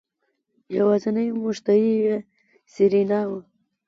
يوازينی مشتري يې سېرېنا وه.